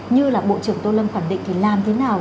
như là bộ trưởng tô lâm khẳng định thì làm thế nào